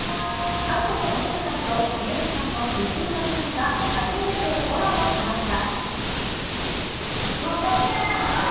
歌手のＭＩＳＩＡさんと、ミュージシャンの藤井風さんが初めてコラボしました。